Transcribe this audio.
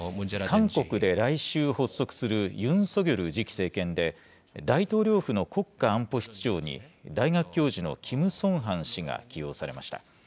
韓国で来週発足する、ユン・ソギョル次期政権で、大統領府の国家安保室長に、大学教授のキム・ソンハン氏が起用されました。